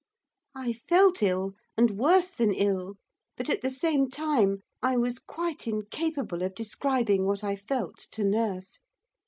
I felt ill, and worse than ill; but, at the same time, I was quite incapable of describing what I felt to nurse.